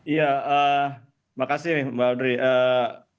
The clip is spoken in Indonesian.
iya makasih mbak audrey